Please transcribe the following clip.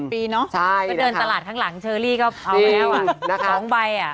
เนอะก็เดินตลาดข้างหลังเชอรี่ก็เอาแล้วอ่ะ๒ใบอ่ะ